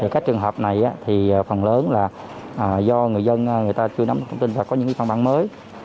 các trường hợp này thì phần lớn là do người dân người ta chưa nắm thông tin và có những văn bản mới